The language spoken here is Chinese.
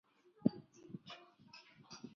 迥澜风雨桥的历史年代为明。